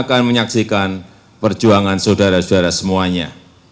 akan menyaksikan perjuangan saudara saudara semuanya